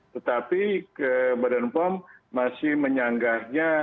tetapi badan pom masih menyanggahnya